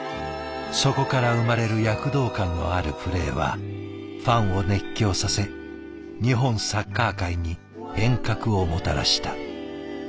そこから生まれる躍動感のあるプレーはファンを熱狂させ日本サッカー界に変革をもたらした。